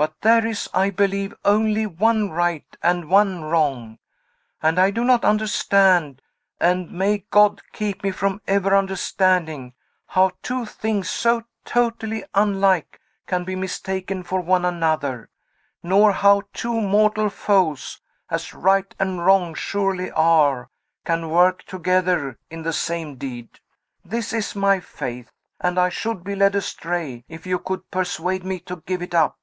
But there is, I believe, only one right and one wrong; and I do not understand, and may God keep me from ever understanding, how two things so totally unlike can be mistaken for one another; nor how two mortal foes, as Right and Wrong surely are, can work together in the same deed. This is my faith; and I should be led astray, if you could persuade me to give it up."